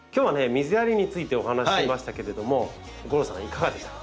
水やりについてお話ししましたけれども吾郎さんいかがでしたか？